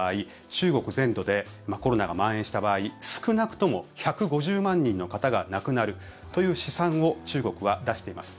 中国全土でコロナがまん延した場合少なくとも１５０万人の方が亡くなるという試算を中国は出しています。